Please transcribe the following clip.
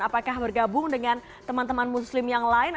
apakah bergabung dengan teman teman muslim yang lain